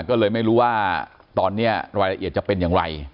ก็เลยไม่รู้ว่าตอนนี้รายละเอียดจะเป็นอย่างไร